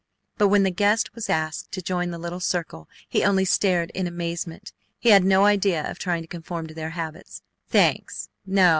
But when the guest was asked to join the little circle he only stared in amazement. He had no idea of trying to conform to their habits. "Thanks! No!